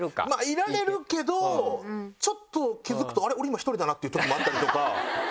いられるけどちょっと気付くとあれ俺今１人だなっていうときもあったりとか。